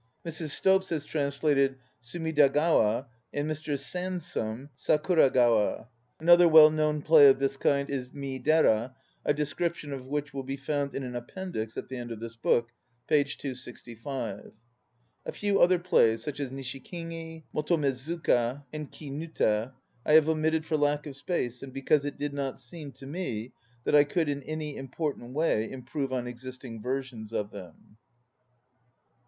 Mrs. Slopes has translated Sumidagawa, and Mr Sansom, Sakuragawa. lier well known play of this kind is Miidera, a description of \\lii li \\ill be found in an appendix at the end of this book (p. 265). A few other plays, such as Nishikigi, MotomezukcL, and Kinuta, I have omitted for lack of space and because it did not seem to me that I could in any important way improve on existing versions of them.